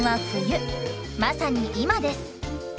まさに今です。